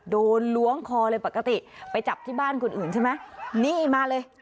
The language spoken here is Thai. ล้วงคอเลยปกติไปจับที่บ้านคนอื่นใช่ไหมนี่มาเลย